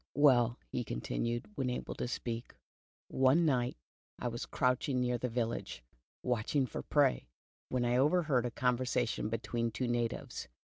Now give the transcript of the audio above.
''Well," he continued, when able to speak, "one night I was crouching near the village, watching for prey, when I overheard a conversation between two natives.